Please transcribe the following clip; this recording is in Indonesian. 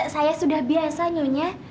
saya sudah biasa nyonya